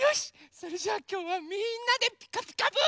それじゃあきょうはみんなで「ピカピカブ！」。